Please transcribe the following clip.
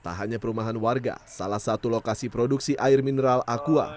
tak hanya perumahan warga salah satu lokasi produksi air mineral aqua